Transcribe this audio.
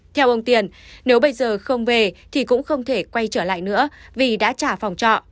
theo ông tiền nếu bây giờ không về thì cũng không thể quay trở lại nữa vì đã trả phòng trọ